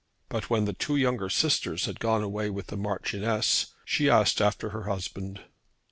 But when the two younger sisters had gone away with the Marchioness, she asked after her husband.